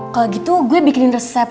kalau gitu gue bikinin resep